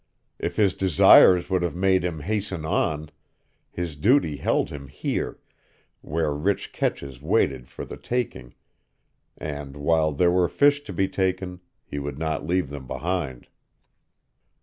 If his desires would have made him hasten on, his duty held him here, where rich catches waited for the taking; and while there were fish to be taken, he would not leave them behind.